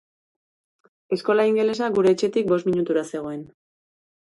Eskola ingelesa gure etxetik bost minutura zegoen.